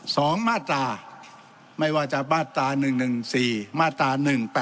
สองมาตราไม่ว่าจะมาตรา๑๑๔มาตรา๑๘